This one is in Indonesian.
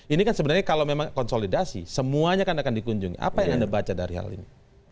ini kan sebenarnya kalau memang konsolidasi semuanya akan dikunjungi apa yang anda baca dari hal ini